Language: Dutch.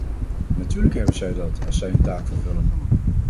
Natuurlijk hebben zij dat als zij een taak vervullen.